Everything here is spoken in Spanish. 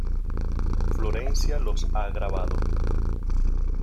Florencia los ha grabado.